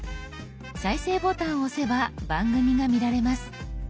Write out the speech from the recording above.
再生ボタンを押せば番組が見られます。